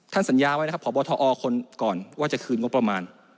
สัญญาไว้นะครับพบทอคนก่อนว่าจะคืนงบประมาณ